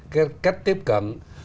cái cách tiếp cận